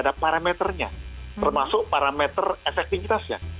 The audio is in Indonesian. ada parameternya termasuk parameter efektivitasnya